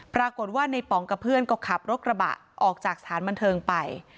ปรากฏว่าในป๋องกับเพื่อนก็ขับรถกระบะออกจากสถานบันเทิงไป